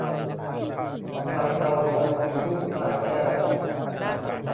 พลายณรงค์เป็นลูกพลายแก้ว